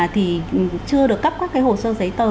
thì chưa được cấp các hồ sơ giấy tờ